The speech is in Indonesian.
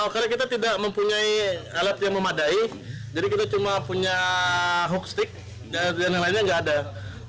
karena kita tidak mempunyai alat yang memadai jadi kita cuma punya hook stick dan lain lainnya tidak ada